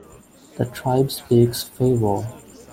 The tribe speaks Faiwol.